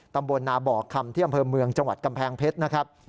ตำบลนาบอกคำที่อำเภอเมืองจังหวัดกำแพงเพชรนะครับ